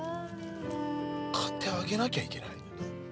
買ってあげなきゃいけないの？